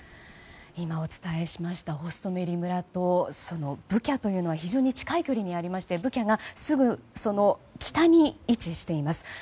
今、お伝えしましたホストメリ村とブチャというのは近い距離にありましてブチャがすぐ北に位置しています。